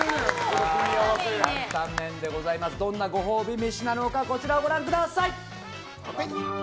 どんなご褒美飯なのかこちらをご覧ください。